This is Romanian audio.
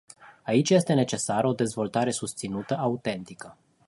Aici este necesară o dezvoltare susținută autentică.